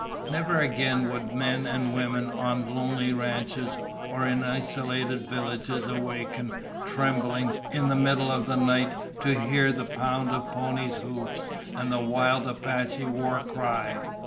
Never again would men and women on lonely ranches or in isolated villages awaken, trembling, in the middle of the night to hear the pound of ponies' hoofs and the wild Apache war cry.